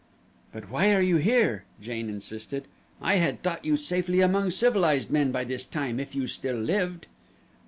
"But why are you here?" Jane insisted. "I had thought you safely among civilized men by this time, if you still lived."